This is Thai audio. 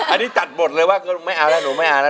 อันนี้ตัดบทเลยว่าไม่เอาแล้วหนูไม่เอาแล้ว